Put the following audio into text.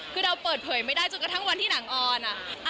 คือเราเปิดเผยไม่ได้จนกระทั่งวันที่หนังออน